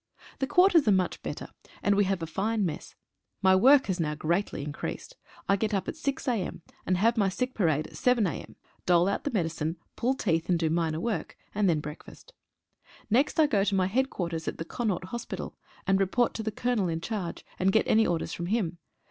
The quarters are much better, and we have a fine mess. My work has now greatly increased. I get up at 6 a.m., and have my sick parade at 7 a.m., dole out the medicine, pull teeth, and do minor work, and then break fast. Next I go to my headquarters at the Connaught Hospital, and report to the Colonel in charge, and get any orders from him.